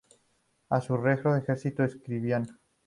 A su regreso ejerció de escribano.